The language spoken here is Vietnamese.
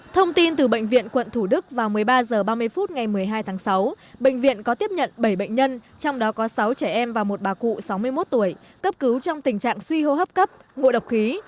thông tin từ bệnh viện quận thủ đức vào một mươi ba h ba mươi phút ngày một mươi hai tháng sáu bệnh viện có tiếp nhận bảy bệnh nhân trong đó có sáu trẻ em và một bà cụ sáu mươi một tuổi cấp cứu trong tình trạng suy hô hấp cấp ngộ độc khí